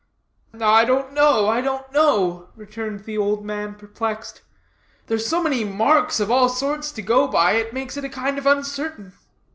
"I don't know, I don't know," returned the old man, perplexed, "there's so many marks of all sorts to go by, it makes it a kind of uncertain.